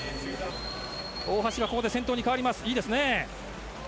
大橋はここで先頭に代わります、いいですね。